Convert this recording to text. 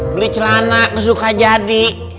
beli celana kesukaan jadi